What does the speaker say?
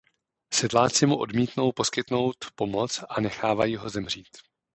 Sedláci mu odmítnou poskytnout pomoc a nechávají ho zemřít.